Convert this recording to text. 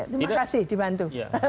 terima kasih dibantu